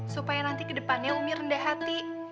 supaya nanti kedepannya umi rendah hati